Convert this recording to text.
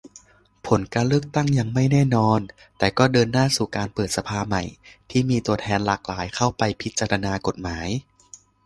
ผลการเลือกตั้งยังไม่แน่นอน แต่ก็เดินหน้าสู่การเปิดสภาใหม่ ที่มีตัวแทนหลากหลายเข้าไปพิจารณากฎหมาย